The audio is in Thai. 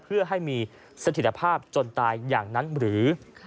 เพื่อให้มีสถิตภาพจนตายอย่างนั้นหรือ